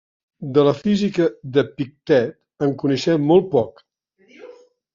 De la física d'Epictet, en coneixem molt poc.